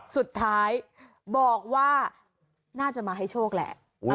สุดท้ายบอกว่าน่าจะมาให้โชคแหละ